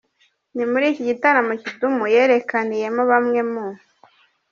Ni muri iki gitaramo, Kidum yerekaniyemo bamwe mu.